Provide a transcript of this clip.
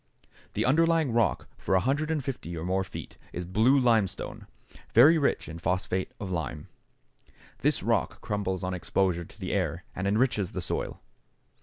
The underlying rock for 150 or more feet is blue limestone, very rich in phosphate of lime. This rock crumbles on exposure to the air and enriches the soil.